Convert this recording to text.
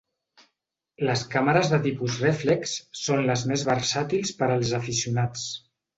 Les càmeres de tipus rèflex són les més versàtils per als aficionats.